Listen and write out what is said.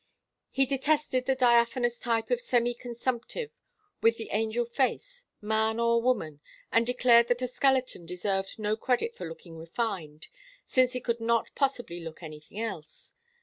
He detested the diaphanous type of semi consumptive with the angel face, man or woman, and declared that a skeleton deserved no credit for looking refined, since it could not possibly look anything else.